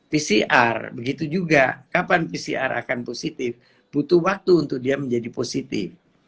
pcr begitu juga kapan pcr akan positif butuh waktu untuk dia menjadi positif